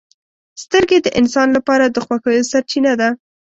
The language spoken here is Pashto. • سترګې د انسان لپاره د خوښیو سرچینه ده.